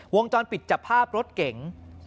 วงจรปิดจับภาพรถเก๋ง